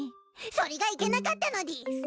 それがいけなかったのでぃす。